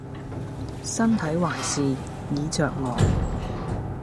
身體還是椅著我